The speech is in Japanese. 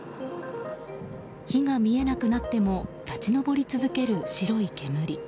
火が見えなくなっても立ち上り続ける白い煙。